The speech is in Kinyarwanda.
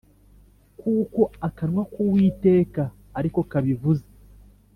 , kuko akanwa k’Uwiteka ari ko kabivuze